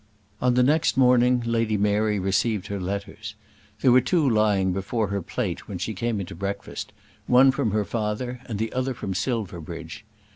On the next morning Lady Mary received her letters. There were two lying before her plate when she came into breakfast, one from her father and the other from Silverbridge.